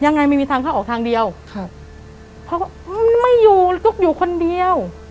ยังไงไม่มีทางเข้าออกทางเดียวครับเขาก็ไม่อยู่ตุ๊กอยู่คนเดียว